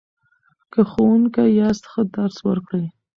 که ښوونکی یاست ښه درس ورکړئ.